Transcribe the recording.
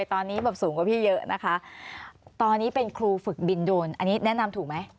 ตอนนี้แบบสูงกว่าพี่เยอะนะคะตอนนี้เป็นครูฝึกบินโดนอันนี้แนะนำถูกไหม